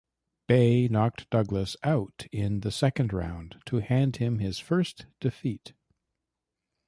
Bey knocked Douglas out in the second round to hand him his first defeat.